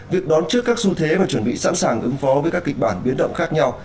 việc đón trước các xu thế và chuẩn bị sẵn sàng ứng phó với các kịch bản biến động khác nhau